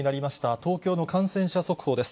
東京の感染者速報です。